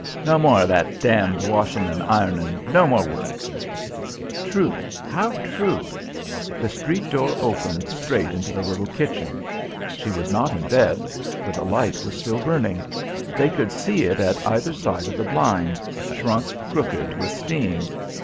"No more o' that damned washin' and ironin' no more work " True! How true! The street door opened straight into the little kitchen. She was not in bed, for the light was still burning; they could see it at either side of the blind, shrunk crooked with steam.